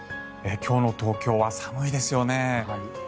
今日の東京は寒いですよね。